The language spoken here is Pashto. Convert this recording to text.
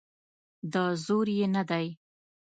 د زور یې نه دی.